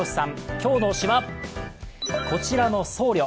今日の推しはこちらの僧侶。